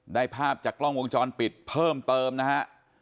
ภาพจากกล้องวงจรปิดเพิ่มเติมนะฮะ